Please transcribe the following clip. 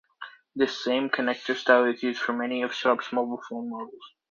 This same connector style is used for many of Sharp's mobile phone models.